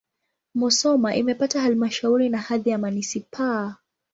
Musoma imepata halmashauri na hadhi ya manisipaa.